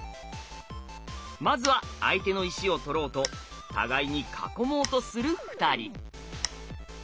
まずは相手の石を取ろうと互いに囲もうとする２人。